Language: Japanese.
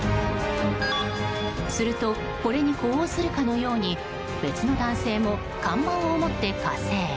するとこれに呼応するかのように別の男性も看板を持って加勢。